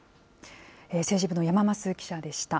政治部の山枡記者でした。